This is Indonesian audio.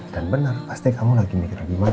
dan benar pasti kamu lagi mikirin abimana